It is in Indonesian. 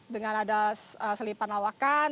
dengan ada selipan lawakan